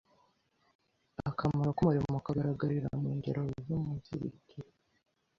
Akamaro k’umurimo kagaragarira mu ngero ziumunsirikira